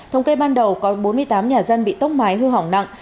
thống kê ban đầu có bốn mươi tám nhà dân bị tốc mái hư hỏng nặng